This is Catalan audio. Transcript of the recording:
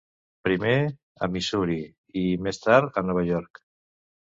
Primer, a Missouri i, més tard, a Nova York.